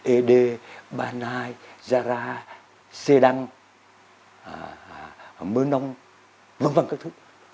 ế đê ba nai gia ra xê đăng mơ nông v v các thứ